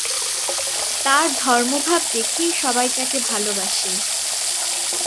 তার ধর্মভাব দেখেই সবাই তাকে ভালবাসে।